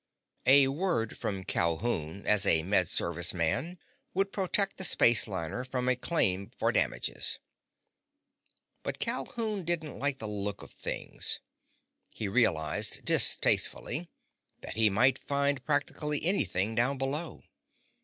A word from Calhoun as a Med Service man would protect the spaceliner from a claim for damages. But Calhoun didn't like the look of things. He realized, distastefully, that he might find practically anything down below.